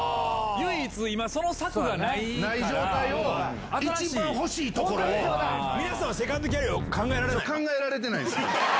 唯一、ない状態を、一番欲しいとこ皆さんはセカンドキャリアを考えられてないです。